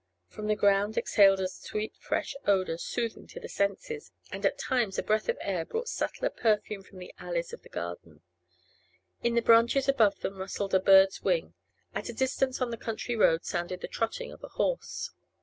From the ground exhaled a sweet fresh odour, soothing to the senses, and at times a breath of air brought subtler perfume from the alleys of the garden. In the branches above them rustled a bird's wing. At a distance on the country road sounded the trotting of a horse.